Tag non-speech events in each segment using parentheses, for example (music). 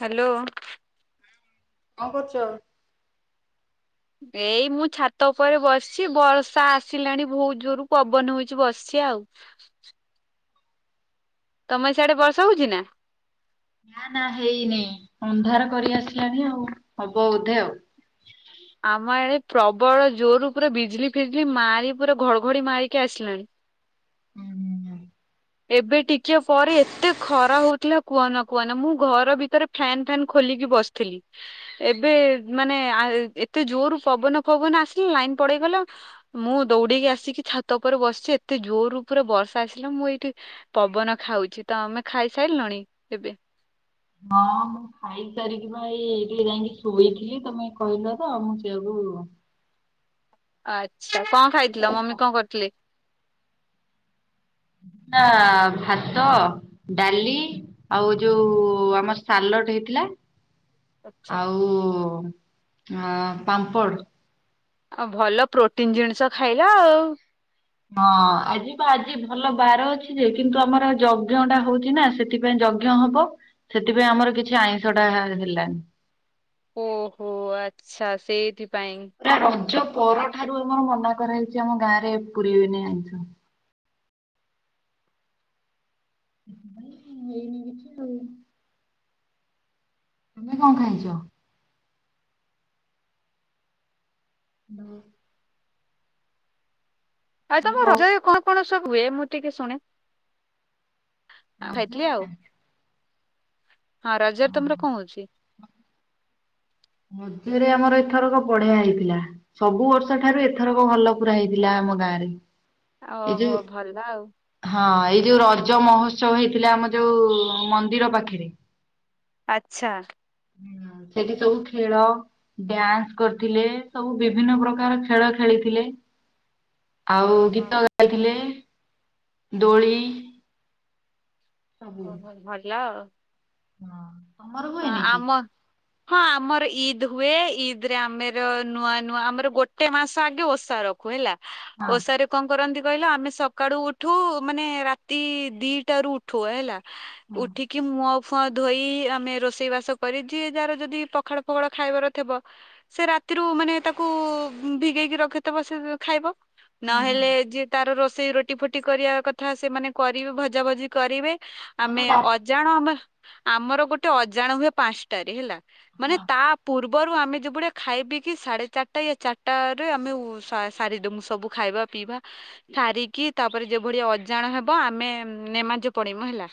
Hello କଁ କରୁଛ? ଏଇ ମୁଁ ଛାତ ଉପରେ ବସି ବର୍ଷା ଆସିଲାଣି ବହୁତ ଜୋରରୁ ପବନ ହଉଛି ବସି। ଆଉ ତମେ ସିଆଡେ ବର୍ଷା ହଉଛି ନା? ନା ନା ହେଇନି ଅନ୍ଧାର କରି ଆସିଲାଣି ଆଉ ହବ ବୋଧେ ଆଉ। ଆମ ଆଡେ ପ୍ରବଳ ଜୋର ପୁରା ବିଜିଲଲି ଫିଜିଲ ମାରି ପୁରା ଘଡଘଡି ମାରିକି ଆସିଲାଣି। ହୁଁ ହୁଁ ହ (inaudible) ଏବେ ଟିକେ ପରେ ଏତେ ଖରାପ ହଉଥିଲା କୁହନ କୁହନ ମୁଁ ଘର ଭିତରେ ଫାନ ଫାନ ଖୋଲି ବସିଥିଲି ଏବେ ମାନେ ଏତେ ଜୋରୁ ପବନ ଫବନ ଆସିଲା ଲାଇନ ପଡେଇଗଲା ମୁଁ ଦୌଡକି ଆସିକି ଛାତ ଉପରେ ବସିଛି ଏତେ ଯୋଉ ରୂପରେ ବର୍ଷା ଆସିଲା ମୁଁ ଏଇଠି ପବନ ଖାଉଛି ତ ଆମେ ଖାଇସାରିଲୁଣି ଏବେ। ହ (inaudible) ହଁ ମୁଁ ଖାଇ ସାରିକି ପା ଏଇ ଏଇଠି ଯାଇକି ଶୋଇଥିଲି ତମେ କହିଲ ତ ମୁଁ ସେଆକୁ ହଁ ଅଁ ଆଛା, କଣ ଖାଇଥିଲ? ମମି କଣ କରିଥିଲେ? (inaudible) ଭାତ, ଡାଲି ଆଉ ଯୋଉ ଆମ ସାଲଡ ହେଇଥିଲା। ଆଚ୍ଛା ଆଉ ଅ ପାମ୍ପଡ। ଆଉ ଭଲ ପ୍ରୋଟିନ ଜିନିଷ ଖାଇଲା ଆଉ ହଁ ଆଜି ତ ଆଜି ଭଲ ବାର ଅଛି ଯେ- କିନ୍ତୁ ଆମର ଯବ୍ଜଣ୍ଡା ହଉଛି ନା ସେଥିପାଇଁ ଯଜ୍ଞ ହବ, ସେଥିପାଇଁ ଆମର କିଛି ଆଇଁଷ ଟା ହେଲାନି ଓହୋ, ଆଛା ସେଇଠି ପୁରା ରଜ ପରଠାରୁ ଆମର ମନା କରାହେଇଛି ଆମ ଗାଁ ରେ ପୁରେଇବେନି ଆଇଁଷ ଆ (inaudible) (unintelligible) ତମେ କଣ ଖାଇଛ? (unintelligible) ଆ ତମ ହାଲୋ ରଜରେ କଣ କଣ ସବୁ ହୁଏ, ମୁଁ ଟିକେ ଶୁଣେ ଆଉ ରଜ ଖାଇଥିଲି ରେ ଆଉ। (unintelligible) ହଁ ରଜରେ ତମର କଣ ହଉଛି? ରେ ଆମର ଏଥରକ ବଢିଆ ହେଇଥିଲା, ସବୁ ବର୍ଷ ଠାରୁ ଏଥରକ ଭଲ ପୁରା ହେଇଥିଲା ଆମ ଗାଁ ରେ ଏ ଓହୋ ଯୋଉ, ଭଲ ଆଉ ହଁ ଏଇ ଯୋଉ ରଜ ମହୋତ୍ସବ ହେଇଥିଲା ଆମ ଯୋଉ ମନ୍ଦିର ପାଖରେ ଆଛା ସେଠି ସବୁ ଖେଳ ଡ୍ୟାନ୍ସ କରିଥିଲେ, ସବୁ ବିଭିନ୍ନ ପ୍ରକାର ଖେଳ ଖେଳିଥିଲେ। (inaudible) ଆଉ ଓହୋ ଗୀତ ଗାଇଥିଲେ, ଦୋଳି ସବୁ। ଓହୋ, ଭଲ ଆଉ ହଁ ତମର ହଁ ହୁଏନି କି? ଆମ ହଁ ଆମର ଇଦ ହୁଏ, ଇଦ ରେ ଆମର ନୂଆ ନୂଆ ଆମର ଗୋଟେ ମାସ ଆଗେ ଓଷା ରଖୁ ହେଲା, ହଁ ଓଷାରେ କଣ କରନ୍ତି? କହିଲ ଆମେ ସକାଳୁ ଉଠୁ, ମାନେ ରାତି ଦିଟ ରୁ ଉଠୁ ହେଲା। ହଁ ଉଠିକି ମୁହ ଫୁ ଧୋଇ ଆମେ ରୋଷେଇ ବାସ କରି ଯିଏ ଯାହାର ଯଦି ପଖାଳ ଫଖାଳ ଖାଇବାର ଥିବ ସେ ରାତିରୁ ମାନେ ତାକୁ ଭିଗେଇକି ରଖିଥବ ସେ ଖାଇବ। ହଁ ହଁ। ନହେଲେ ଯିଏ ତାର ରୋଷେଇ ରୋଟି ଫୁଟି କରିବା କଥା ସେମାନେ କରିବେ ଭଜା ଭଜି କରିବେ। ମାନେ ଆମେ ରା ହଁ ଅଜାଣ, ଆମ ଆମର ଗୋଟେ ଅଜାଣ ହୁଏ ପାଞ୍ଚଟାରେ ହେଲା ମାନେ ହଁ ତା ପୂର୍ବ ପୂର୍ବରୁ ଆମେ ଯେଭଳିଆ ଖାଇବ କିି ସାଢ଼େ ଚାରିଟା ୟା ଚାରିଟାରେ ଆମେ ଉ ଶା ସାରିଦମୁ ସବୁ ଖାଇବା ପିଇବା ସାରିକି ତାପରେ ଯେଭଳି ଅଜାଣ ହେବ ଆମେ ନେମାଜ ପଡମୁ ହେଲା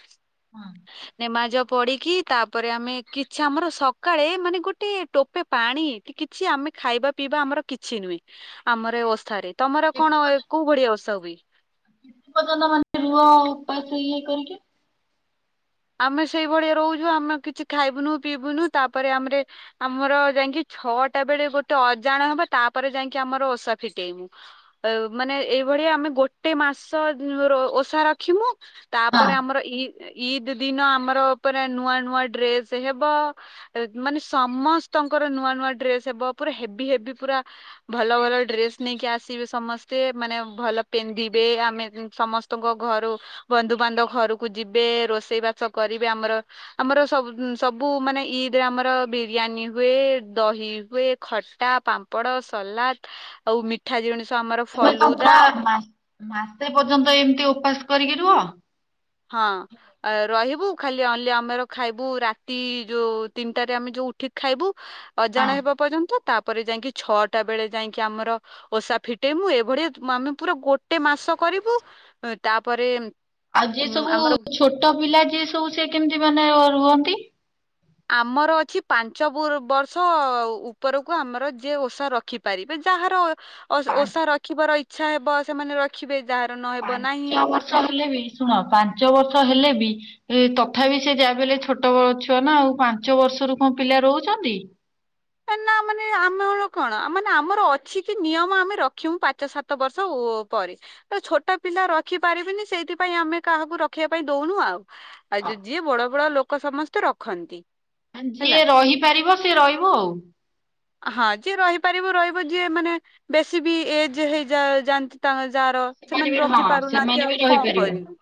ନେମାଜ ପଡିକି ତାପରେ ଆମେ କିଛି ଆମର ସକାଳେ ମାନେ ଗୋଟେ ଟୋପେ ପାଣି କିଛି ଆମେ ଖାଇବା ପିଇବା ଆମର କିଛି ନୁହେଁ ଆମର ଓଷାରେ ତମର କେତେ କଣ ପର୍ଯ୍ୟନ୍ତ କୋଉ ଭଳିଆ ଓଷା ହୁଏ? ପର୍ଯ୍ୟନ୍ତ ମାନେ ରୁହ ଉପାସ ଇଏ କରିକି ଆମେ ସେଇଭଳିଆ ରହୁଛୁ ଆମେ କିଛି ଖାଇବୁନୁ ପିଇବୁନୁ ତାପରେ ଆମେରେ ଆମର ଯାଇକି ଛଅଟା ବେଳେ ଗୋଟେ ଅଜାଣ ହବା ତାପରେ ଯାଇକି ଆମର ଓଷା ଫିଟେଇବୁ ଅ ମାନେ ଏଇଭଳି ଭଳିଆ ଆମେ ଗୋଟେ ମାସ ଓଷା ରଖିମୁ ହଁ ତାପରେ ଆମର ଇ ଇଦ ଦିନ ଆମର ଉପରେ ନୂଆ ନୂଆ ଡ୍ରେସ୍ ହେବ ମାନେ ସମସ୍ତଙ୍କର ନୂଆ ନୂଆ ନୂଆ ଡ୍ରେସ ହେବ ପୁରା ହେଭି ହେଭି ପୁରା ଭଲ ଭଲ ଡ୍ରେସ ନେଇକି ଆସିବେ ସମସ୍ତେ ମାନେ ଭଲ ପିନ୍ଧିବେ ଆମେ ସମସ୍ତଙ୍କ ଘରୁ ବନ୍ଧୁବାନ୍ଧବ ଘରକୁ ଯିବେ ରୋଷେ ସେଇ ବାସ କରିବେ ଆମର ଆମର ସବୁ ସବୁ ମାନେ ଇଦ ରେ ଆମର ବିରିୟାନୀ ହୁଏ ଦହି ହୁଏ ଖଟା ପାମ୍ପଡ ସଲାଦ ଆଉ ମିଠା ଜିଣୀଷ ଆମର ତମେ କଣ ଫଲୁଦା ପୁରା ମାସ ମାସେ ପର୍ଯ୍ୟନ୍ତ ଏମିତି ଉପାସ କରିକି ରୁହ ହଁ ରହିବୁ ଖାଲି ଅଲି ଆମର ଖାଇବୁ ରାତି ଯୋଉ ତିନିଟାରେ ଆମେ ଯୋଉ ଉଠିକି ଖାଇବୁ ହଁ ଅଜାଣ ହେବା ପର୍ଯ୍ୟନ୍ତ ତା ଯାଇକି ଛଅଟା ବେଳେ ଯାଇକି ଆମର ଓଷା ଫିଟେଇ ମୁୁ ଏଭଳିଆ ଆମେ ପୁରା ଗୋଟେ ମାସ କରିବୁ ଉ ତାପରେ ଆଉ ଯିଏ ଉଁ, ସବୁ ଆମର ଛୋଟ ପିଲା ଯିଏ ସବୁ ସେ କେମିତି ମାନେ ରୁହନ୍ତି ଆମର ଅଛି ପାଞ୍ଚବୋର ବର୍ଷ ଉପରକୁ ଆମର ଯିଏ ଓଷା ରଖିପାରିବେ ଯାହାର ଓ ପାଞ୍ଚ ଓଷା ରଖିବାର ଇଚ୍ଛା ହେବ ସେମାନେ ରଖିବେ ଯାହାର ନହେବ ନାହିଁ ପାଞ୍ଚ ବର୍ଷ ହେଲେ ବି ଶୁଣ ପାଞ୍ଚ ବର୍ଷ ହେଲେ ବି ତଥାପି ସେ ଯା ବଲେ ଛୋଟ ଛୁଆ ନା ଆଉ ପାଞ୍ଚ ବର୍ଷରୁ କଣ ପିଲା ରହୁଛନ୍ତି ନା ମାନେ ଆମେଳ କଣ ମାନେ ଆମର ଅଛି କି ନିୟମ ଆମେ ରଖମୁ ପାଞ୍ଚ ସାତ ବର୍ଷ ଓ ପୁଓ ପରେ ତ ଛୋଟ ପିଲା ରଖି ପାରିବିନି ସେଇଥିପାଇଁ ଆମେ କାହାକୁ ରଖିବା ପାଇଁ ଦଉନୁ ଆଉ ଆଉ ଯୋଉ ଯିଏ ବଡ ବଡ ଲୋକ ସମସ୍ତେ ରଖନ୍ତି। ମାନେ ହେଲା ଯିଏ ରହିପାରିବ ସିଏ ରହିବ ଆଉ ହଁ ଯିଏ ରହିପାରିବ ରହିବ ଯିଏ ମାନେ ବେଶୀ ବି ଏଜ ହେଇଯା ଯାନ୍ତି ତାଙ୍କ ଯାହାର ସେମାନେ ବି ରଖି ହଁ ପାରୁନାହାନ୍ତି ସେମାନେ ବି ଆଉ କଣ ରହିପାରିବେ କରିବୁ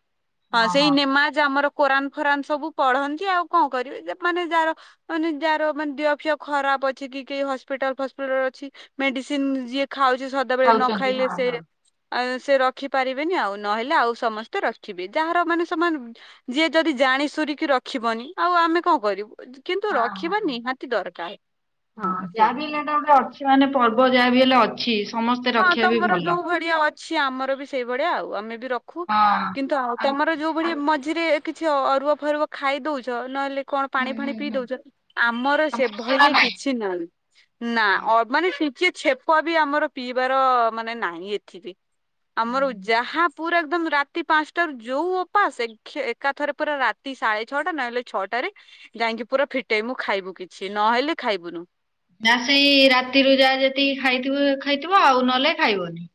ହଁ ସେଇ ନେମାଜ ଆମର କୋରାନ ଫୋରାନ ସବୁ ପଢନ୍ତି ଆଉ କଣ କରିବି ମାନେ ଯାହାର ମାନେ ଯାହାର ମାନେ ଦିଅ ଫିଅ ଖରାପ ଅଛି କି କେହି ହସ୍ପିଟାଲ ଫସ୍ପିଟାଲ ଅଛି ମେଡିସିନ ଯିଏ ଖାଉଛି ସଦାବେଳେ ନ ଖାଉଛନ୍ତି ଖାଇଲେ ହଁ ସେ ହଁ। ଆ ସେ ରଖି ପାରିବେନି ଆଉ ନହେଲେ ଆଉ ସମସ୍ତେ ରଖିବେ ଯାହାର ମାନେ ସେମାନ ଯିଏ ଯଦି ଯା ପାଣି ସୁରିକି ରଖିବନି ଆଉ ଆମେ କଣ କରିବୁ କିନ୍ତୁ ହଁ ହଁ ରଖିବା ହଁ ନିହାତି ଦରକାର ହଁ ଯାହା ବି ହେଲେ ହେ଼ଟା ଗୋଟେ ଅଛି ମାନେ ପର୍ବ ଯାହା ବି ହେଲେ ଅଛି ସମସ୍ତେ ହଁ ରଖିବା ବି ତମର ଭଲ। ଯୋଉ ଭଳିଆ ଅଛି ଆମର ବି ସେଇ ଭଳିଆ ଆଉ ଆମେ ବି ରଖୁ ହଁ କିନ୍ତୁ ଆ ଆଉ ତମର ଯୋଉ ଭଳି ମଝିରେ କିଛି ଅରୁଆ ଫରୁଆ ଖାଇ ଦଉଛ ନହେଲେ କଣ ହୁଁ ପାଣି ହୁଁ ଫାଣି ପିଇ ହୁଁ ଦଉଛନ୍ତି ଆମର ତମର ସେରା ସେଭଳିଆ କିଛି ନାହିଁ ନା ହଁ। ଅ ମାନେ ସି ସିଏ ଛେପ ବି ଆମର ପିଇବାର ମାନେ ନାହିଁ ଏଥି ବିି ଆମର ଯାହା ପୁରା ଏକଦମ ରାତି ପାଞ୍ଚଟ ର ଯୋଉ ଅପା ଆସେ ଏକା ଥରେ ପୁରା ରାତି ସାଢେ ଛଅଟା ନହେଲେ ଛଅଟାରେ ଗାଇକି ପୁରା ଫିଟେଇ ମୁଁ ଖାଇବୁ କିଛି ନହେଲେ ଖାଇବୁନୁ ଯା ସେଇ ରାତିରୁ ଯା ଯେତିକି ଖାଇଥିବ ଖାଇଥିବ ଆଉ ନହେଲେ ଖାଇବନି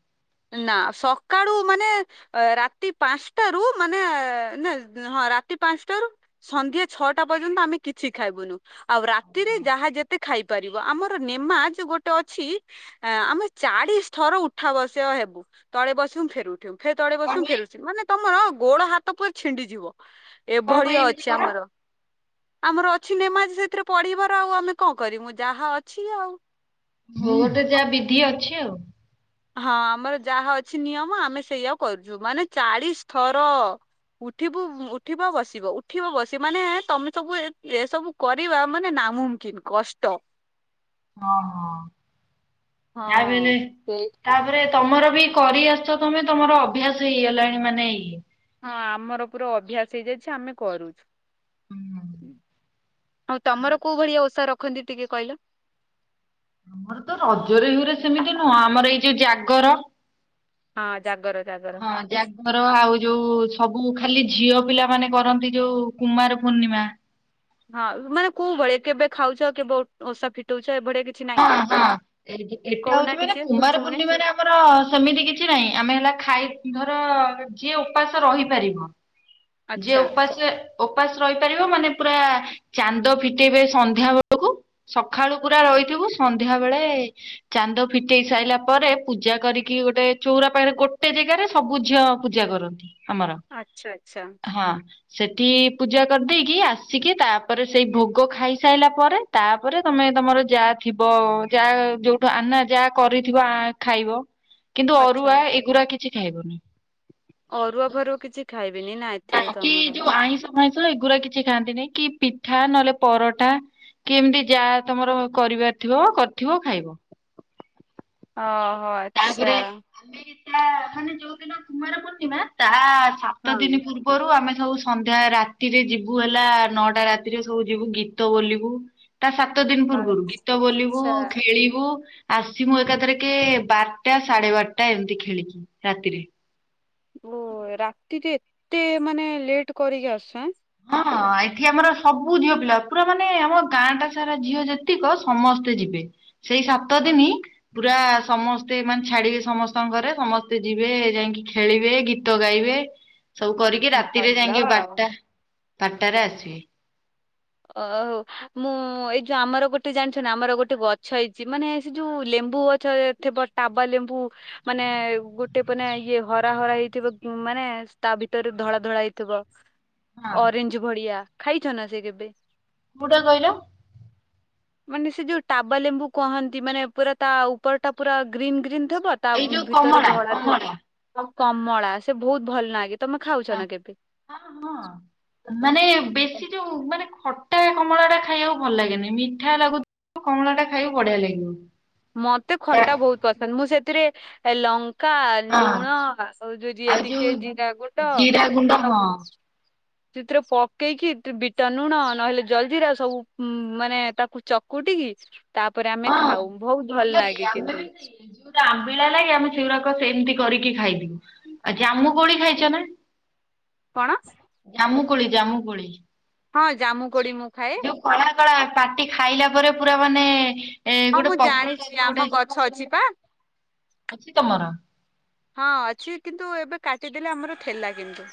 ନା ସକାଳୁ ମାନେ ରାତି ପାଞ୍ଚଟାରୁ ମାନେ ନା ହଁ ରାତି ପାଞ୍ଚଟାରୁ ସନ୍ଧ୍ୟା ଛଅଟା ପର୍ଯ୍ୟନ୍ତ ଆମେ କିଛି ଖାଇବୁନୁ ଆଉ ରାତିରେ ଯାହା ଯେତେ ଖାଇ ପାରିବ ଆମର ନେମାଜ ଗୋଟେ ଅଛି ଆମେ ଚାଳିଶ ଥର ଉଠା ବ ସେ ହେବୁ ତଳେ ବସିବୁ ଫେରୁଠିବୁ ଫେ ତଳେ କଣ ବସିବୁ ପାଇଁ ଉଠିମୁ ମାନେ ତମର ଗୋଡ ହାତ ପୁରା ଛିଣ୍ଡିଯିବ କଣ ପାଇଁ ଏଭଳିଆ ଏମିତି ଅଛି କର? ଆମର। ଆମର ଅଛି ନେମାଜ ସେଥିରେ ପଢିବାର। ଆଉ ଆମେ କଣ କରିବୁ ଯାହା ଅଛି ଆଉ। ଯୋଉଠି ଯା ବିଧି ଅଛି ଆଉ। ହଁ ଆମର ଯାହା ଅଛି ନିୟମ ଆମେ ସେଇଆ କରୁଚୁ ମାନେ ଚାଳିଶ ଥର। ଉଠିବୁ ଉଠିବ ବସିବ ଉଠିବ ବସିବ ମାନେ ତମେ ସବୁ ଏ ଏସବୁ କରିବା ମାନେ ନା ମୁମ୍କିନ୍ କଷ୍ଟ। ହଁ ହଁ ଯାଆ ବି ହେଲେ ହଁ ସେଇ ତା ପରେ ତମର ବି କରିଆସିଚ ତମେ ତମର ଅଭ୍ୟାସ ହେଇଗଲାଣି ମାନେ ଇଏ ହଁ ଆମର ପୁରା ଅଭ୍ୟାସ ହେଇଯାଇଛି ଆମେ କରୁଛୁ। ହୁଁ ଆଉ ତମର କୋଉ ଭଳିଆ ଓଷା ରଖନ୍ତି ଟିକେ କହିଲ। ଆମର ତ ରଜରେ ହେରି ସେମିତି ନୁହଁ ଆମର ଏଇ ଯୋଉ ଜାଗର ହଁ ଜାଗର ଜାଗର। ହଁ ଜାଗର ଆଉ ଯୋଉ ସବୁ ଖାଲି ଝିଅ ପିଲାମାନେ କରନ୍ତି ଯୋଉ କୁମାର ପୂର୍ଣ୍ଣିମା। ହଁ ମାନେ କୋଉ ଭଳିଆ କେବେ ଖାଉଚ କେବେ ଓ ଓଷା ଫିଟଉଚ? ହଁ ହଁ ଏଟା କହୁନା ହଉଚି ମାନେ ଟିକେ ମୁଁ କୁମାର ଶୁଣେ ପୂର୍ଣ୍ଣିମାରେ ଆମର ସେମିତି କିଛି ନାଇଁ। ଆମେ ହେଲା ଏ ଖାଇ ଧର ଯିଏ ଉପାସ ରହିପାରିବ ଯିଏ ଆଚ୍ଛା ଉପାସ ଉପାସ ରହିପାରିବ ମାନେ ପୁରା ଚାନ୍ଦ ଫିଟେଇବେ ସନ୍ଧ୍ୟା ବେଳକୁ ସକାଳୁ ପୁରା ରହି ଥିବୁ ସନ୍ଧ୍ୟା ବେଳେ ଚାନ୍ଦ ଫିଟେଇ ସାରିଲା ପରେ ପୂଜା କରିକି ଗୋଟେ ଚଉରା ପାଖରେ ଗୋ ଗୋଟେ ଜାଗାରେ ସବୁ ଝିଅ ପୂଜା କରନ୍ତି ଆମର ଆଚ୍ଛା ଆଚ୍ଛା ହଁ। ସେଠି ପୂଜା କରିଦେଇକି ଆସିକି ତା ପରେ ସେଇ ଭୋଗ ଖାଇସାରିଲା ପରେ ତା ପରେ ତମେ ନାଇଁ ତମର ଯାହା ଥିବ ଯାହା ଯୋଉଠୁ ଆନା ଯାହା କରିଥିବ ଖାଇବ। କିନ୍ତୁ ଆଚ୍ଛା। ଅରୁଆ ଏଗୁୁରା କିଛି ଖାଇବୁନି। ଅରୁଆ ଫରୁଆ କିଛି ଖାଇବ୍ ବାକିି ଯୋଉ ଆଇଁଷ ଫାଇଁଷ ଏଗୁୁରା କିଛି ଖାଆନ୍ତିନି କି ପିଠା ନହେଲେ ପରଟା କି ଏମିତି ଯାହା ତମର କରିବାର ଥିବ କରିଥିବ ଖାଇବ। ଓହୋ ଆଚ୍ଛା। ମା ତା ମାନେ ଯୋଉଦିନ କୁମାର ପୂର୍ଣ୍ଣିମା ତା ସାତ ହଁ ଦିନ ପୂର୍ବରୁ ଆମେ ସବୁ ସନ୍ଧ୍ୟା ରାତିରେ ଯିବୁ ହେଲା ନଅଟା ରାତିରେ ସବୁ ଯିବୁ ଗୀତ ବୋଲିବୁ। ତା ସାତ ଦିନ ପୂର୍ବରୁ ବାସ୍। ଗୀତ ବୋଲିବୁ ଆଚ୍ଛା ଖେଳିବୁ ଆସିବୁ ଏକାଥରେ କେ ବାରଟା ସାଢେ ବାରଟା ଏମିତି ଖେଳିକି ରାତିରେ। ଓ ରାତିରେ ଏତେ ମାନେ ଲେଟ କରିକି ଆସୁଚ ଏଁ? ହଁ ଏଠି ଆମର ସବୁ ଝିଅ ପିଲା ପୁରା ମାନେ ଆମ ଗାଁ ଟା ସାରା ଝିଅ ଯେତିକ ସମସ୍ତେ ଯିବେ। ସେଇ ସାତ ଦିନ ପୁରା ସମସ୍ତେ ମାନେ ଛାଡିବେ ସମସ୍ତଙ୍କ ଘରେ ସମସ୍ତେ ଯିବେ ଯାଇ ଯାଇଁକି ଖେଳିବେ ଗୀତ ଗାଇବେ ସବୁ କରିକି ରାତିରେ ଭଲ ଯାଇଁକି ବାରଟା ଆଉ। ବାର ଟାରେ ଆସିବେ। ଓହୋ ମୁଁ ଏଇ ଯୋଉ ଆମର ଗୋଟେ ଜାଣିଛ ନା ଆମର ଗୋଟେ ଗଛ ହେଇଚି। ମାନେ ସେ ଯୋଉ ଲେ ଲେମ୍ବୁ ଗଛ ଥିବ ଟାବା ଲେମ୍ବୁ ମାନେ ଗୋଟେ ପନେ ଇଏ ହରା ହରା ହେଇଥିବ। ଉଁ ମାନେ ତା ଭିତରେ ଧଳା ଧଳା ହେଇଥିବ ହଁ ଅରେଞ୍ଜ ଭଳିଆ ଖାଇଛ ନା ସେ କେବେ? କୋଉଟା କହିଲ? ମାନେ ସେ ଯୋଉ ଟାବା ଲେମ୍ବୁ କୁହନ୍ତି ମାନେ ପୁରା ତା ଉପର ଟା ପୁରା ଗ୍ରୀନ୍ ଗ୍ରୀନ୍ ଥିବ ତା ଏଇ ଯୋଉ ଭିତରେ କମଳା ଧଳା ଥି କମଳା ଆଉ କମଳା ସେ ବହୁତ ଭଲ ଲାଗେ। ତମେ ଖାଉଛ ନା କେବେ? ହଁ ହଁ ମାନେ ବେଶୀ ଯୋଉ ମାନେ ଖଟ ଟା କମଳା ଟା ଖାଇବାକୁ ଭଲ ଲାଗେନି। ମିଠା ଲାଗୁଥିବ କମଳା ଟା ଖାଇବାକୁ ବଢିଆ ଲାଗିବ। ମତେ ଖଟା ବହୁତ ପସନ୍ଦ ମୁଁ ସେଥିରେ ଲ ଙ୍କା, ହଁ। ଲୁଣ ଆଉ ଯୋଉ ଯିଏ ଆଉ ଟିକେ ଯୋଉ ଜିରା ଗୁଣ୍ଡ ଜିରା ଗୁଣ୍ଡ ସେ ହଁ ସବୁ ଯୋଉ ସେଥିରେ ପକେଇକି ଦ୍ ବିଟ ଲୁଣ ନହେଲେ ଜଲଜିିରା ସବୁ ଉଁ ମାନେ ତାକୁ ଚକ କୁଟିକି ତା ପରେ ଆମେ ହଁ ଖାଉ ବହୁତ ଭଲ ଲାଗେ କିନ୍ତୁ। ସେ ଆମ୍ବିଳା ଲାଗି ଆମେ ସେଉୁରାକ ସେମିତି କରିକି ଖାଇଦଉ। ଆଉ ଜାମୁ କୋଳି ଖାଇଚ ନା? କଣ? ଜାମୁକୋଳି ଜାମୁକୋଳି। ହଁ ଜାମୁ କୋଡି ମୁଁ ଖାଏ। ସ ପାଟି ଖାଇଲା ପରେ ପୁରା ମାନେ ଏ ହଁ ଗୋଟେ ମୁଁ ପପଲ ର ଜାଣିଛି ଆମ ଗୋଟେ ଗଛ ଅଛି ପା ଅଛି ତମର। ହଁ ଅଛି କିନ୍ତୁ ଏବେ କାଟିଦେଲେ ଆମର ଥିଲା କିନ୍ତୁ।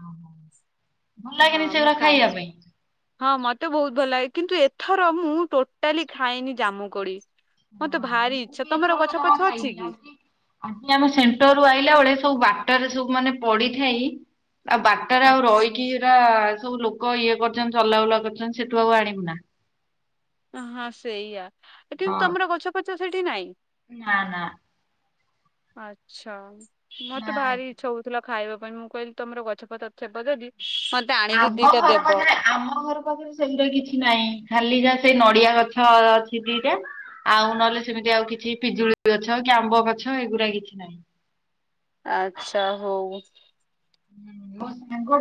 ଭଲ ହଁ ଲାଗେନି ମୁଁ ସେଗୁଡା ଖାଏ। ଖାଇବା ପାଇଁ। ହଁ ମତେ ବହୁତ ଭଲ ଲାଗେ କିନ୍ତୁ ଏଥର ମୁଁ ଟୋଟାଲି ଖାଇନି ଜାମୁ କୋଲି। ହଁ ମୁଁ ବି ଏଥରକ ଜମା ଅଛି ଖାଇନି କି? ଆ ଆମେ ସେଣ୍ଟର ରୁ ଆଇଲା ବଡେ ସବୁ ବାଟ ରେ ସବୁ ମାନେ ପଡିଥାଇ। ଆଉ ବାଟରେ ଆଉ ଆଚ୍ଛା। ରହିଇରା। ସବୁ ଲୋକ ଇଏ କରୁଛନ୍ତି ଚଲାଉୁଲା କରିୁଛନ୍ତି ସେଠୁ ଆଉ ଆଣିବୁ ନା। ହଁ ସେଇଆା କିନ୍ତୁ ତମର ଗଛପଛ ସେଠି ନାଇଁ। ନାଁ ନାଁ। ଆଚ୍ଛା ନା ମତେ ଭାରି ହଉଥିଲା। ଖାଇବା ପାଇଁ ମୁଁ କହିଲି ତମର ଗଛପତ୍ର ଥିବ ଯଦି। ମତେ ଆଣିକି ଆମ ଦିଟା ଘର ଦେବ। ପାଖରେ ଆମ ଘର ପାଖରେ ସେମିତି କିଛି ନାହିଁ ଖାଲି ଯାହା। ସେଇ ନଡ଼ିଆ ଗଛ ଅଛି ଦିଟା। ଆଉ ନହେଲେ ସେମିତି ଆଉ କିଛି ପିଜୁଳି ଗଛ କି ଆମ୍ବ ଗଛ ଏଗୁଡ଼ା କିଛି ନାହିଁ। ଆଚ୍ଛା ହଉ। ମୋ ସଙ୍ଗ।